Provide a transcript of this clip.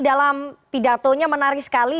dalam pidatonya menarik sekali